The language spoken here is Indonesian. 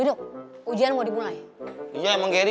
udah ada dayanya agak berhenti